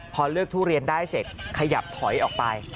พอเลือกทุเรียนได้เสร็จขยับถอยออกไป